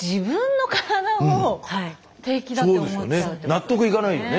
納得いかないよね。